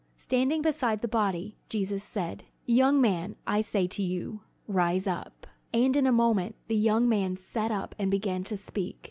Standing beside the body, Jesus said: "Young man, I say to you, Rise up!" And in a moment the young man sat up and began to speak.